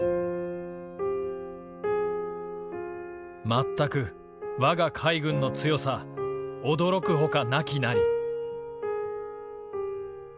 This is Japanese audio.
「全く我が海軍の強さ驚くほかなきなり」。